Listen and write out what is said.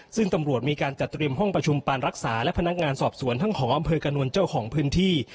ซึ่งตำรวจมีการจัดเตรียมห้องประชุมปานรักษาและพนักงานสอบสวนทั้งหออำเภอกระนวลเจ้าของพื้นที่